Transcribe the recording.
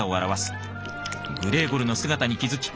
グレーゴルの姿に気付き